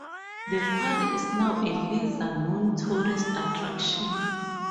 The quarry is now a lesser-known tourist attraction.